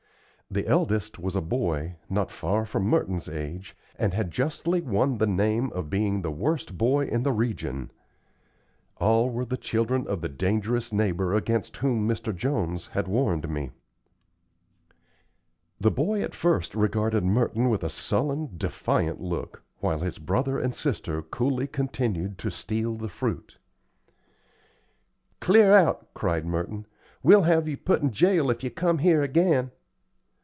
The eldest was a boy, not far from Merton's age, and had justly won the name of being the worst boy in the region. All were the children of the dangerous neighbor against whom Mr. Jones had warned me. The boy at first regarded Merton with a sullen, defiant look, while his brother and sister coolly continued to steal the fruit. "Clear out," cried Merton. "We'll have you put in jail if you come here again."